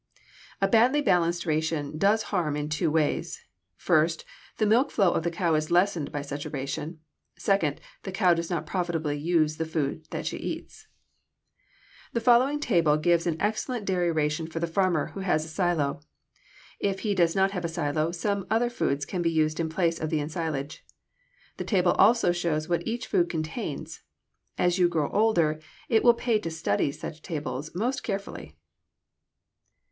A badly balanced ration does harm in two ways: first, the milk flow of the cow is lessened by such a ration; second, the cow does not profitably use the food that she eats. The following table gives an excellent dairy ration for the farmer who has a silo. If he does not have a silo, some other food can be used in place of the ensilage. The table also shows what each food contains. As you grow older, it will pay you to study such tables most carefully.